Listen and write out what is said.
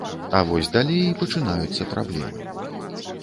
А вось далей і пачынаюцца праблемы.